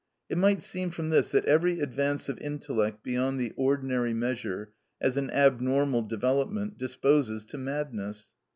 It might seem from this that every advance of intellect beyond the ordinary measure, as an abnormal development, disposes to madness.